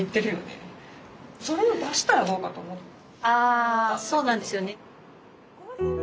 あそうなんですよね。